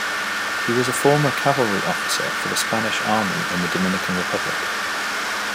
He was a former cavalry officer for the Spanish Army in the Dominican Republic.